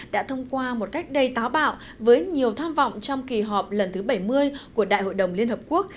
đã thông qua một cách đầy táo bạo với nhiều tham vọng trong kỳ họp lần thứ bảy mươi của đại hội đồng liên hợp quốc